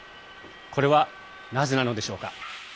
これは、なぜなのでしょうか。